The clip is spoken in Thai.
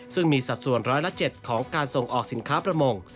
ซึ่งมีสัดส่วนร้อยละ๗ของการส่งออกสินค้าประมง